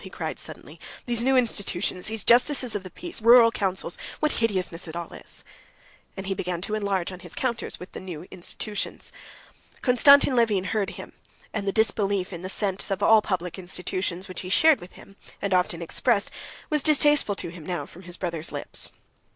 he cried suddenly. "These new institutions, these justices of the peace, rural councils, what hideousness it all is!" And he began to enlarge on his encounters with the new institutions. Konstantin Levin heard him, and the disbelief in the sense of all public institutions, which he shared with him, and often expressed, was distasteful to him now from his brother's lips.